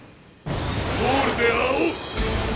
ゴールで会おう！